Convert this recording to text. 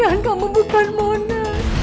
dan kamu bukan mona